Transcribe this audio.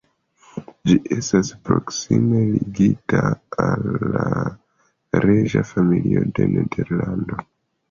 Ĝi estas proksime ligita al la reĝa familio de Nederlando.